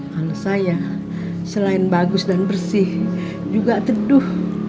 kalau saya selain bagus dan bersih juga teduh